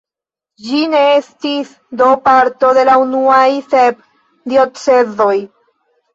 Ĝi ne estis do parto de la unuaj sep diocezoj.